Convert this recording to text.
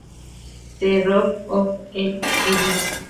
The Root of All Evil?